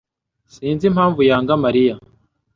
Sinzi impamvu yanga Mariya.